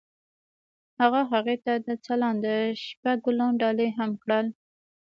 هغه هغې ته د ځلانده شپه ګلان ډالۍ هم کړل.